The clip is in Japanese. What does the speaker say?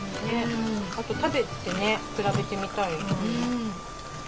食べてね比べてみたいよ。